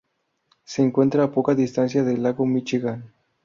Se encuentra a poca distancia del lago Míchigan.